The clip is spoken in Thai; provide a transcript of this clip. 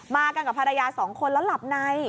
มากันกับภรรยา๒คนแล้วหลับใน